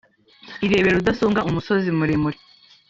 irebero rudasumbwa umusozi muremure